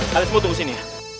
kalian semua tunggu sini